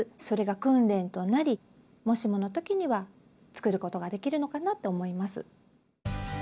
それが訓練となりもしもの時には作ることができるのかなと思います。